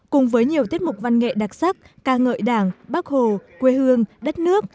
cùng với nhiều tiết mục văn nghệ đặc sắc ca ngợi đảng bác hồ quê hương đất nước